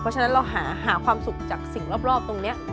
เพราะฉะนั้นเราหาความสุขจากสิ่งรอบตรงนี้